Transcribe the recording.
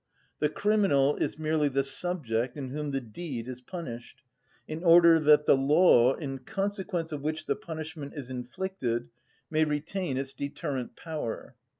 The criminal is merely the subject in whom the deed is punished, in order that the law in consequence of which the punishment is inflicted may retain its deterrent power.